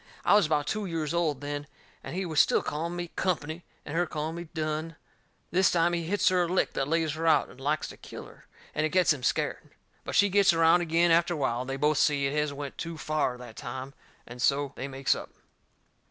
I was about two years old then and he was still calling me Company and her calling me Dunne. This time he hits her a lick that lays her out and likes to kill her, and it gets him scared. But she gets around agin after a while, and they both see it has went too fur that time, and so they makes up.